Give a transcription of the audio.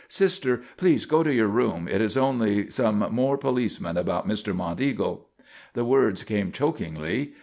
"Sister, please go to your room. It is only some more policemen about Mr. Monteagle!" The words came chokingly.